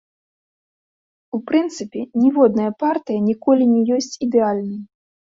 У прынцыпе, ніводная партыя ніколі не ёсць ідэальнай.